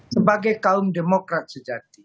sebagai kaum demokrat sejati